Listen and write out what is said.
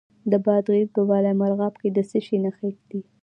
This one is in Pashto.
د بادغیس په بالامرغاب کې د څه شي نښې دي؟